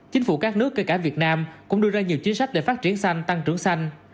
chính phủ các nước kể cả việt nam cũng đưa ra nhiều chính sách để phát triển xanh tăng trưởng xanh